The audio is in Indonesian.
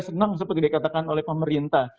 senang seperti dikatakan oleh pemerintah